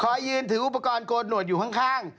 ยืนถืออุปกรณ์โกนหนวดอยู่ข้าง